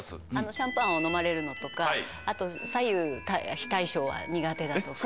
シャンパンを飲まれるのとかあと左右非対称は苦手だとか。